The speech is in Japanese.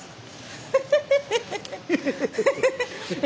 フフフフ！